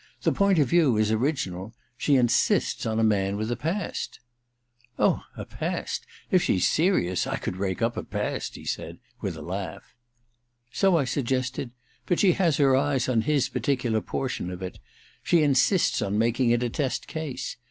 The point of view is original— ^e in^sts on a man with a past !•^ Oh, a past — if she*s serious — I could rake up a past !* he said with a laugh. * So I suggested ; but she has her eyes on this particukr portion of it. She insists on making it a test case.